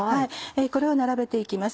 これを並べていきます。